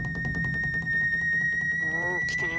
おきたよ。